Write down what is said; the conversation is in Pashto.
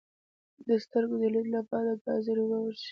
د سترګو د لید لپاره د ګازرې اوبه وڅښئ